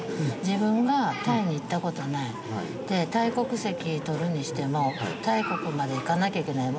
自分がタイに行ったことないでタイ国籍取るにしてもタイ国まで行かなきゃいけない